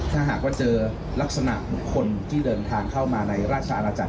ถ้าหากว่าเจอลักษณะบุคคลที่เดินทางเข้ามาในราชอาณาจักร